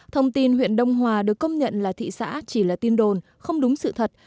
thông tin huyện đông hòa được công nhận là thị xã chỉ là tin đồn không đúng sự thật